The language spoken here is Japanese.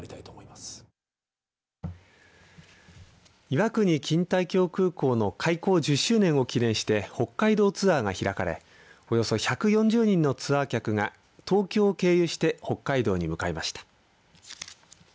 岩国錦帯橋空港の開港１０周年を記念して北海道ツアーが開かれおよそ１４０人のツアー客が東京を経由して北海道に向かいました。